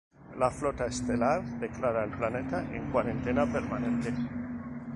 La Flota Estelar declara el planeta en cuarentena permanente.